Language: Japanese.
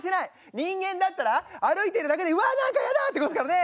人間だったら歩いてるだけで「うわ何かやだ！」ってことですからね。